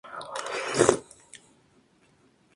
Se empeña en conquistarla y hasta apuesta por eso.